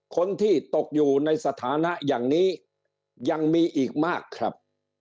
คนที่ตกอยู่ในสถานะอย่างนี้ยังมีอีกมากครับ